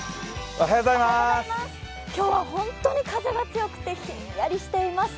今日は本当に風が強くてひんやりしています。